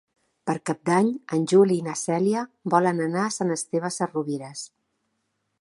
Per Cap d'Any en Juli i na Cèlia volen anar a Sant Esteve Sesrovires.